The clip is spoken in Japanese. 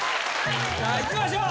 さあいきましょう！